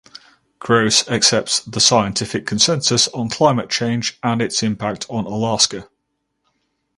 Gross accepts the scientific consensus on climate change and its impacts on Alaska.